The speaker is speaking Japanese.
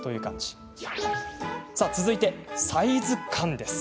続いて、サイズ感です。